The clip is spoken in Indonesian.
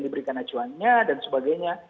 diberikan acuannya dan sebagainya